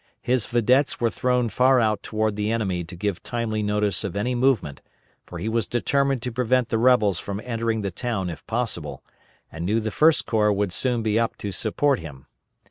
His vedettes were thrown far out toward the enemy to give timely notice of any movement for he was determined to prevent the rebels from entering the town if possible, and knew the First Corps would soon be up to support him.